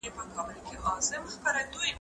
وریجې باید ژر یخچال ته ولاړې شي.